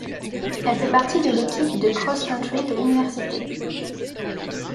Elle fait partie de l'équipe de cross-country de l'université.